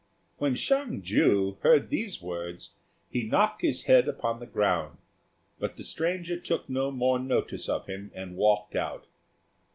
When Hsiang ju heard these words he knocked his head upon the ground; but the stranger took no more notice of him, and walked out.